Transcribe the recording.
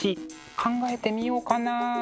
考えてみようかな？